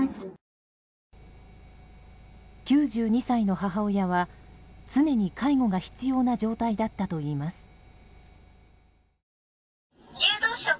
９２歳の母親は常に介護が必要な状態だったといいます。